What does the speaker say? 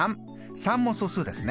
３も素数ですね。